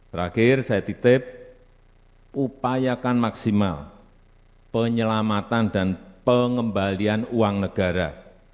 terakhir saya titip upayakan maksimal penyelamatan dan pengembalian uang negara